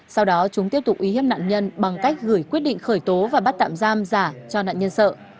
sau đó chúng tiếp tục uy hiếp nạn nhân bằng cách gửi quyết định khởi tố và bắt tạm giam giả cho nạn nhân sợ